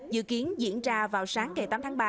dự kiến diễn ra vào sáng ngày tám tháng ba